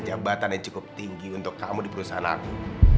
jabatan yang cukup tinggi untuk kamu di perusahaan aku